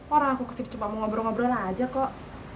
orang aku kesini cuma mau ngobrol ngobrol aja kok